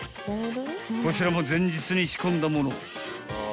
［こちらも前日に仕込んだもの］